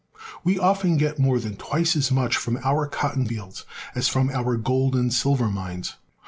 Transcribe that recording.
We often get more than twice as much from our cotton fields as from our gold and silver mines.